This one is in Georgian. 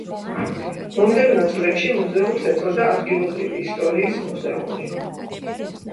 მომდევნო წლებში მუზეუმს ეწოდა ადგილობრივი ისტორიის მუზეუმი.